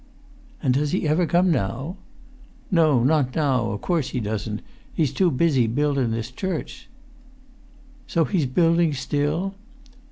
"And does he ever come now?" "No, not now, course he doesn't; he's too busy buildin' his church." "So he's building still!"